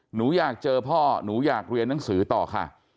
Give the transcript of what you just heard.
หนูอยากเจอพ่อหนูอยากเรียนหนังสือต่อค่ะ